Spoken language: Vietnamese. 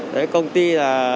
đấy công ty là